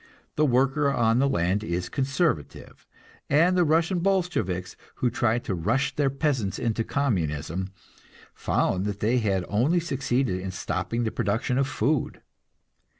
The worker on the land is conservative, and the Russian Bolsheviks, who tried to rush their peasants into Communism, found that they had only succeeded in stopping the production of food.